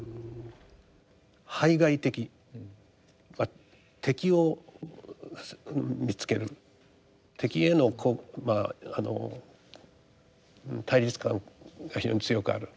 排外的敵を見つける敵へのこうまああの対立感が非常に強くある。